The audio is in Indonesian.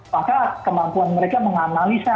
maka kemampuan mereka menganalisa